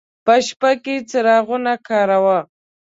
په شپه کې څراغونه کاروه.